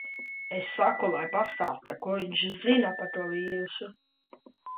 Es saku, lai pastāsta, ko viņš zina par to vīrusu.